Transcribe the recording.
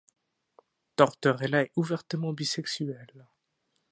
Tortorella est ouvertement bisexuel.